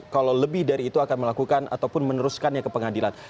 kalau lebih dari itu akan melakukan ataupun meneruskannya ke pengadilan